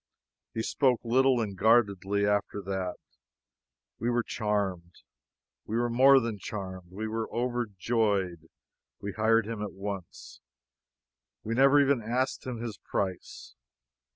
He spoke little and guardedly after that. We were charmed. We were more than charmed we were overjoyed. We hired him at once. We never even asked him his price.